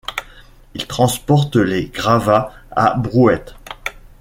il transporte les gravas à brouette